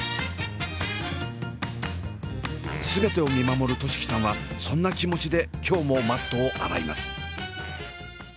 全てを見守る寿輝さんはそんな気持ちで今日もマットを洗います。